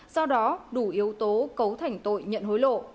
do đó đủ yếu tố cấu thành tội nhận hối lộ